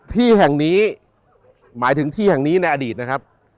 ที่แห่งนี้หมายถึงที่แห่งนี้ในอดีตนะครับ